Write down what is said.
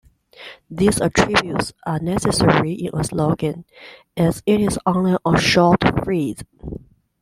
These attributes are necessary in a slogan, as it is only a short phrase.